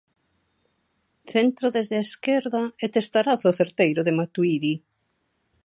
Centro desde a esquerda e testarazo certeiro de Matuidi.